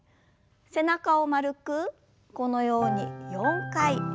背中を丸くこのように４回ゆすります。